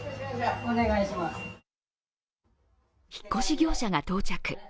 引っ越し業者が到着。